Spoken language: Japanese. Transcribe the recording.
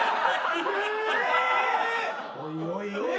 おいおいおい。